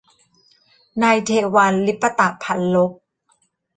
นายเทวัญ ลิปตพัลลภ